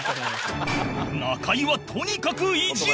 中居はとにかくイジる